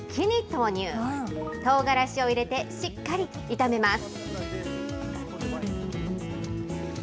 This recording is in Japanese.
とうがらしを入れて、しっかり炒めます。